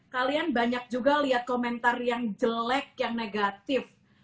kalian banyak juga lihat komentar yang jelek yang negatif